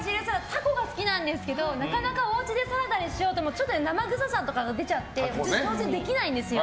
たこが好きなんですけどなかなかおうちでサラダにしようと思ってもちょっと生臭さとかが出ちゃって上手にできないんですよ。